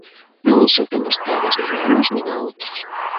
Non insulten vostedes nin a uns nin a outros.